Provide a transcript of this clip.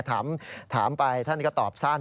ถามไปท่านก็ตอบสั้น